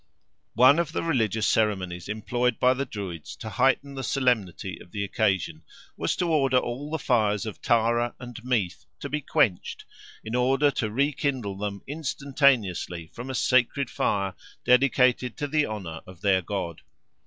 One of the religious ceremonies employed by the Druids to heighten the solemnity of the occasion, was to order all the fires of Tara and Meath to be quenched, in order to rekindle them instantaneously from a sacred fire dedicated to the honour of their god.